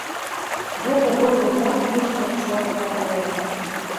Гэта быў бы моцны штуршок наперад.